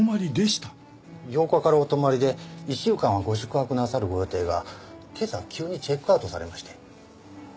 ８日からお泊まりで１週間はご宿泊なさるご予定が今朝急にチェックアウトされまして。